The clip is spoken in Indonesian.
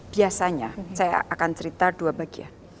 biasanya saya akan cerita dua bagian